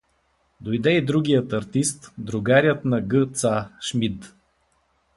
Дойде и другият артист, другарят на г-ца Шмид.